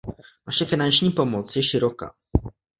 Naše finanční pomoc je široká.